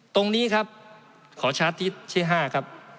ตรงนี้ครับขอชาร์จทิศชื่อ๕ครับ